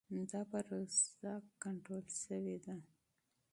دا پروسه کنټرول شوې ده.